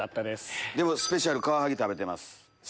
でもスペシャルカワハギ食べてます。